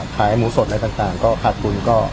ขายหมูสดอะไรต่างขาดธุรกิจก็